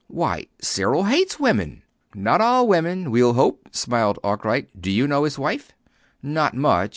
Why, Cyril hates women!" "Not all women we'll hope," smiled Arkwright. "Do you know his wife?" "Not much.